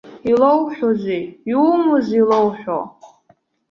Илоуҳәозеи, иумоузеи илоуҳәо?!